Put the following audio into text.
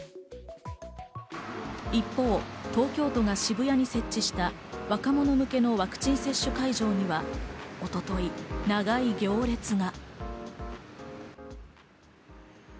一方、東京都が渋谷に設置した若者向けのワクチン接種会場には一昨日、長い行列が。